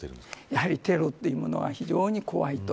やはりテロというものは非常に怖いと。